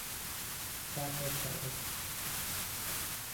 جبر تاریخ